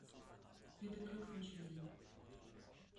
Wir beglückwünschen Sie.